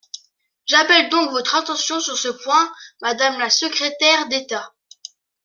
J’appelle donc votre attention sur ce point, madame la secrétaire d’État.